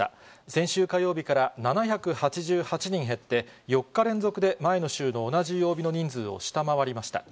先週火曜日から７８８人減って、４日連続で前の週の同じ曜日の人数を下回りました。